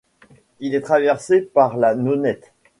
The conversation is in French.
Il est traversé par la Nonette.